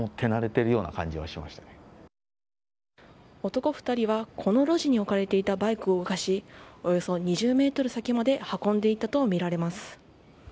男２人は、この路地に置かれていたバイクを動かしおよそ２０ｍ先まで運んで行ったとみられます。